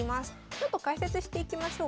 ちょっと解説していきましょうか。